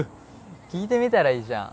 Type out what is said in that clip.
聞いてみたらいいじゃん